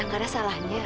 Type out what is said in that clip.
nggak ada salahnya